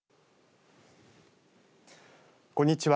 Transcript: こんにちは。